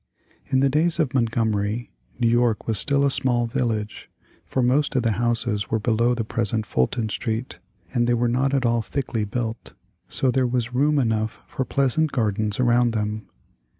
In the days of Montgomery, New York was still a small village, for most of the houses were below the present Fulton Street, and they were not at all thickly built, so there was room enough for pleasant gardens around them.